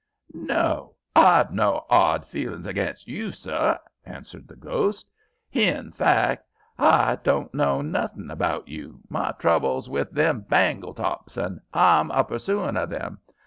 "No, h'I've no 'ard feelinks against you, sir," answered the ghost. "Hin fact h'I don't know nothink about you. My trouble's with them Baingletops, and h'I'm a pursuin' of 'em.